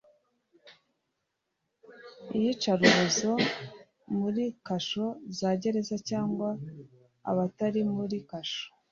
iyicarubozo muri kasho za gereza cyangwa abatari muri kasho